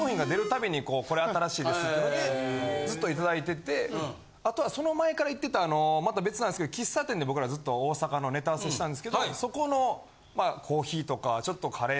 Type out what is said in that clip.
これ新しいですってずっといただいててあとはその前から行ってたまた別なんですけど喫茶店で僕らずっと大阪のネタ合わせしてたんですけどそこの。